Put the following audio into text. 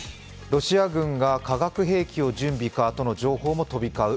ロシア軍が化学兵器を準備かとの情報も飛び交う